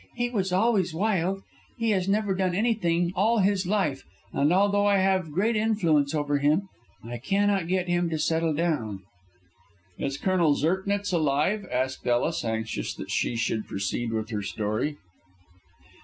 He was always wild; he has never done anything all his life, and although I have great influence over him I cannot get him to settle down." "Is Colonel Zirknitz alive?" asked Ellis, anxious that she should proceed with her story.